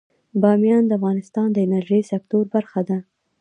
بامیان د افغانستان د انرژۍ سکتور برخه ده.